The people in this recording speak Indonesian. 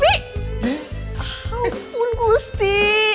ya ampun gusti